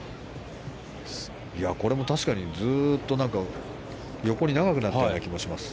これも確かに、ずっと横に長くなってるような気もします。